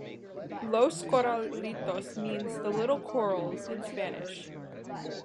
"Los Corralitos" means "the little corrals" in Spanish.